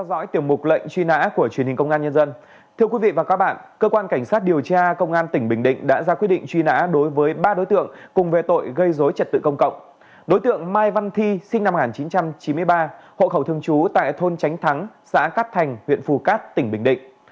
đối tượng mai văn thi sinh năm một nghìn chín trăm chín mươi ba hộ khẩu thương chú tại thôn tránh thắng xã cát thành huyện phù cát tỉnh bình định